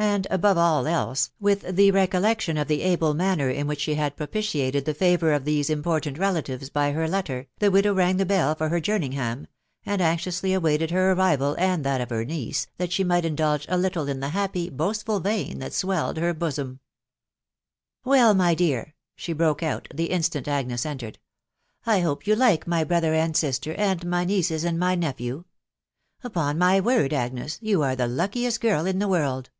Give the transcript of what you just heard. and, above all else, with the recollection of the able manner in which she had propitiated tbe faooar of these important relatives by her letter, the widow vang the heU for her Jeramgham, and anxiously awaited her arrival and that of her niece, thot she anight indulge a litafcr in the happy, botj&fnl *&* ta*. «*<&*& her bosom, x 4 130 THE WIDOW BARNABY. " Well, my dear/' she broke out, the instant Agnes entered, " I hope you like my brother and sister, and my nieces and my nephew. ... Upon my word, Agnes, you are the luckiest girl in the world